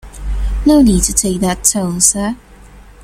No need to take that tone sir.